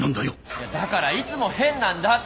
いやだからいつも変なんだって。